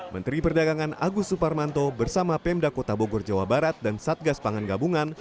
menteri perdagangan agus suparmanto bersama pemda kota bogor jawa barat dan satgas pangan gabungan